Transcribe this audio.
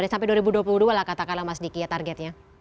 sampai dua ribu dua puluh dua lah katakanlah mas diki ya targetnya